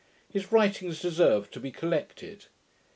His writings deserve to be collected.